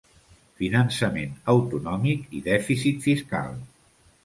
Finançament autonòmic i dèficit fiscal.